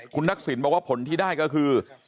คุณทักษิณบอกว่าผลที่ได้ก็คือ